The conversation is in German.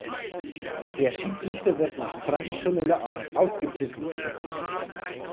Der Schiedsrichter wird nach traditioneller Art ausgepfiffen.